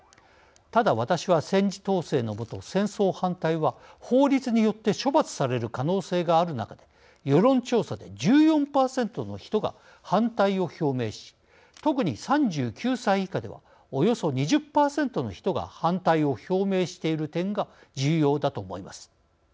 ただ私は、戦時統制の下戦争反対は法律によって処罰される可能性がある中で世論調査で１４％の人が反対を表明し特に３９歳以下ではおよそ２０％の人が反対を表明している点が重要だと思います。